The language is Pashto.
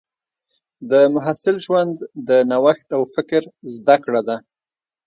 د محصل ژوند د نوښت او فکر زده کړه ده.